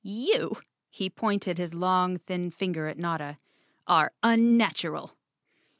"You," he pointed his long thin finger at Notta, "are unnatural.